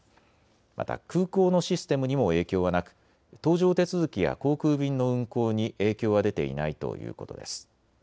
また空港のシステムにも影響はなく、搭乗手続きや航空便の運航に影響は出ていないということです。